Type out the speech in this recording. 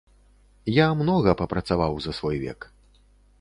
Я многа папрацаваў за свой век.